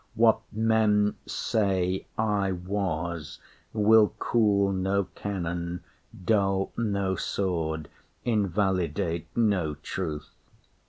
What men say I was will cool no cannon, dull no sword, Invalidate no truth.